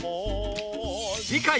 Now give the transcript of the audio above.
次回